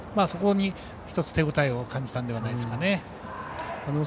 そこに１つ、手応えを感じたんですかね。